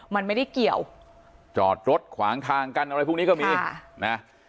มันไม่ได้เกี่ยวจอดรถขวางทางกันอะไรพวกนี้ก็มีค่ะนะ